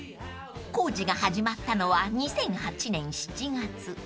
［工事が始まったのは２００８年７月］